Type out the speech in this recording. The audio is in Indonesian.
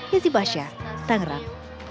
ya si bahasa tanggung